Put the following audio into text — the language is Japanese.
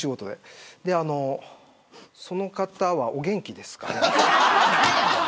で、あのその方はお元気ですか。